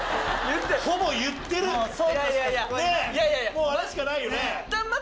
もうあれしかないよね。